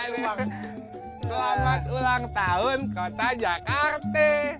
selamat ulang tahun kota jakarta